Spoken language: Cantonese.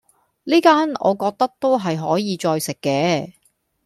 呢間我覺得都係可以再食既